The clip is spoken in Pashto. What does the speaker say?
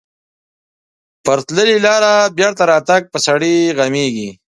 پر تللې لارې بېرته راتګ پر سړي غمیږي.